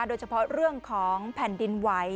โดยเฉพาะเรื่องของแผ่นดินไหว